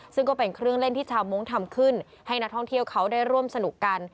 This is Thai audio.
ซึ่งก็เป็นเครื่องเล่นที่ชาวมงค์ทำขึ้นให้นักท่องเที่ยวเขาได้ร่วมสนุกกัน